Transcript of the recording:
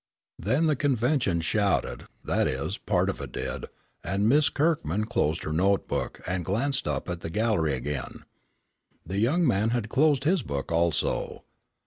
Then the convention shouted, that is, part of it did, and Miss Kirkman closed her notebook and glanced up at the gallery again. The young man had closed his book also.